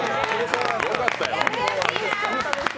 よかったよ。